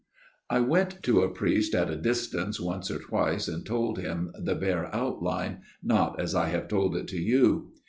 ..!" I went to a priest at a distance once or twice and told him the bare outline not as I have told it to you.